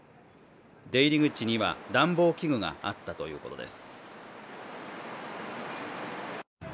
出入り口には暖房器具があったということです。